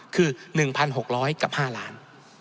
คือ๑๖๐๐กับ๕ล้าน